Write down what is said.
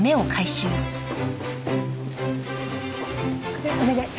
これお願い。